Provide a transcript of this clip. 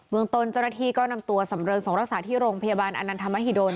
เมืองตนเจ้าหน้าที่ก็นำตัวสำเริงส่งรักษาที่โรงพยาบาลอนันทมหิดล